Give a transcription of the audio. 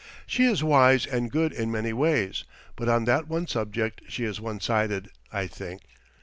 She is wise and good in many ways, but on that one subject she is one sided, I think.